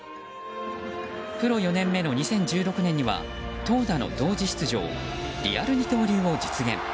プロ４年目の２０１６年には投打の同時出場リアル二刀流を実現。